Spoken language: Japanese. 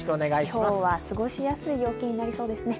今日は過ごしやすい陽気になりそうですね。